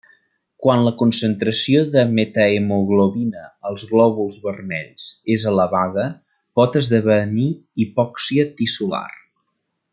Quan la concentració de metahemoglobina als glòbuls vermells és elevada, pot esdevenir hipòxia tissular.